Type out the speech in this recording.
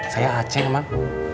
saya aceh emang